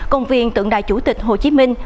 công viên tượng đại chủ tịch hồ chí minh